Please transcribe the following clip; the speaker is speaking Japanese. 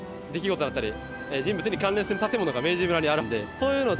そういうのを。